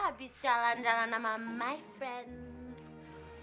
habis jalan jalan sama teman teman gue